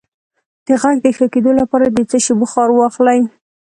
د غږ د ښه کیدو لپاره د څه شي بخار واخلئ؟